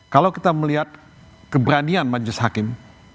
kalau kita melihat keberanian majlis hakim